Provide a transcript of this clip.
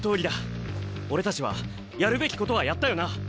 俺たちはやるべきことはやったよな？